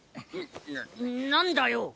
な何だよ？